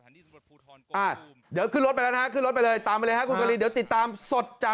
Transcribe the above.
อ่าเดี๋ยวขึ้นรถไปแล้วนะฮะ